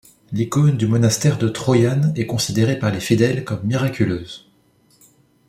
L'icône du monastère de Troyan est considérée par les fidèles comme miraculeuse.